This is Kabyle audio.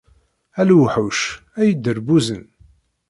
A lewḥuc, a iderbuzen.